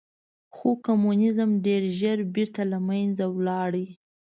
خو کمونیزم ډېر ژر بېرته له منځه لاړ.